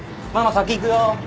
先行くよ。